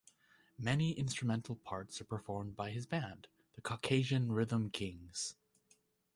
Many instrumental parts are performed by his band, the Caucasian Rhythm Kings.